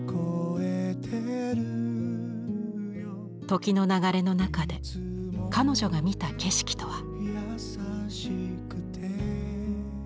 時の流れの中で彼女が見た景色とは？